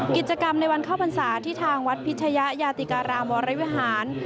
กิจกรรมในวันเข้าพรรษาที่ทางวัดพิชยะยาติการามวรวิหาร